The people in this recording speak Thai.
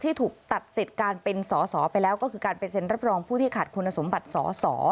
ถูกตัดสิทธิ์การเป็นสอสอไปแล้วก็คือการไปเซ็นรับรองผู้ที่ขาดคุณสมบัติสอสอ